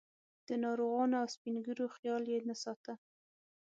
د ناروغانو او سپین ږیرو خیال یې نه ساته.